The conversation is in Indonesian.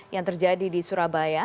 yang terjadi di surabaya